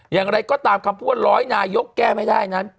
อย่างไรก็ตามคำพูดว่าร้อยนายกแก้ไม่ได้นั้น